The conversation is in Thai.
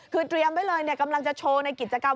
คือเตรียมไว้เลยกำลังจะโชว์ในกิจกรรม